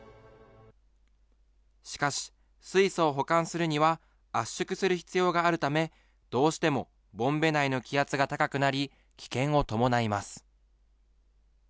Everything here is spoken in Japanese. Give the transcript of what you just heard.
しかし、水素を保管するには、圧縮する必要があるため、どうしてもボンベ内の気圧が高くなり、危険を伴います。